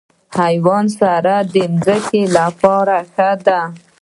حیواني سره د ځمکې لپاره ښه ده.